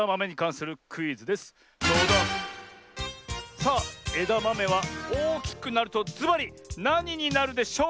さあえだまめはおおきくなるとずばりなにになるでしょう？